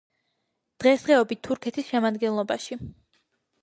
დღესდღეობით თურქეთის შემადგენლობაში.